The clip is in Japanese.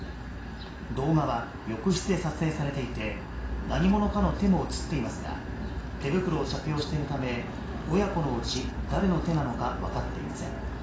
動画は浴室で撮影されていて何者かの手も映っていますが手袋を着用しているため親子のうち、誰の手なのか分かっていません。